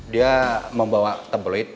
dia membawa tabloid